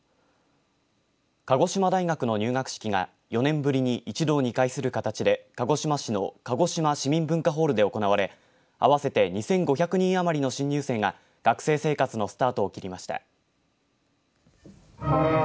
鹿児島大学の入学式が４年ぶりに一堂に会する形で鹿児島市の鹿児島市民文化ホールで行われ合わせて２５００人余りの新入生が学生生活のスタートを切りました。